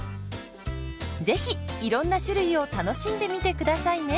是非いろんな種類を楽しんでみて下さいね。